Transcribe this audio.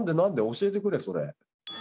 教えてくれそれ。